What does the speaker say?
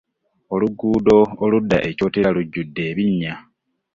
Oluguudo oludda e Kyotera lujjudde ebinnya.